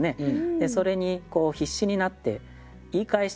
でそれに必死になって言い返している。